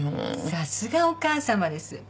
さすがお母さまです。